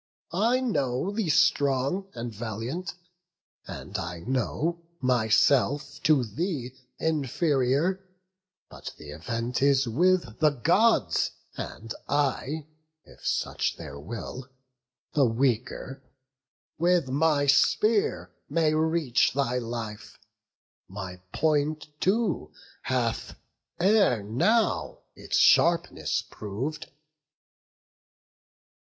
I know thee strong and valiant; and I know Myself to thee inferior; but th' event Is with the Gods; and I, if such their will, The weaker, with my spear may reach thy life: My point too hath, ere now, its sharpness prov'd."